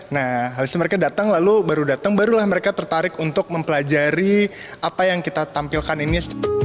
nah habis itu mereka datang lalu baru datang barulah mereka tertarik untuk mempelajari apa yang kita tampilkan ini